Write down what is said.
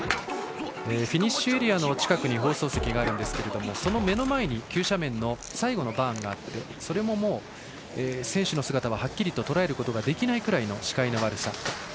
フィニッシュエリアの近くに放送席がありますがその目の前に急斜面の最後のバーンがあってそれも選手の姿ははっきりとらえることができないぐらいの視界の悪さ。